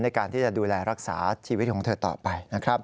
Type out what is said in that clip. ในการที่จะดูแลรักษาชีวิตของเธอต่อไปนะครับ